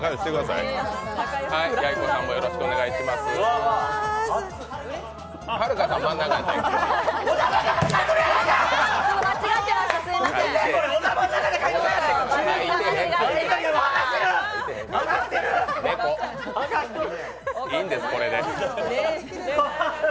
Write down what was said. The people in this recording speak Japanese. いいんです、これで。